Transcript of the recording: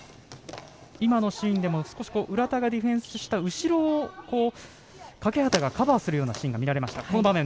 今のシーンでも浦田がディフェンスした後ろを欠端がカバーするような場面が見られました。